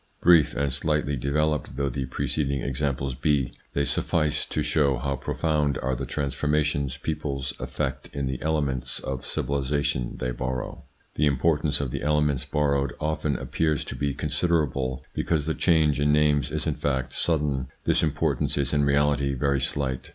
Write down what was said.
Brief and slightly developed though the preceding examples be, they suffice to show how profound are the transformations peoples effect in the elements of civilisation they borrow. The importance of the elements borrowed often appears to be considerable, because the change in names is in fact sudden ; this importance is in reality very slight.